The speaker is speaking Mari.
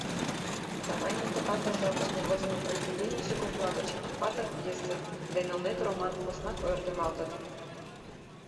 Чавайнын пытартыш жапыште возымо произведенийже кокла гыч «Акпатыр» пьесе ден «Элнет» роман поснак ойыртемалтыт.